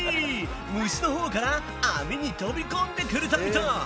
虫のほうから網に飛び込んでくれたみたい！